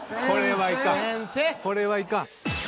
これはいかん。